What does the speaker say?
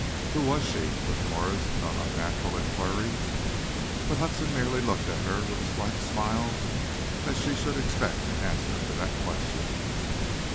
"Who was she?" was Norah's not unnatural inquiry. But Hudson merely looked at her, with a slight smile that she should expect an answer to that question.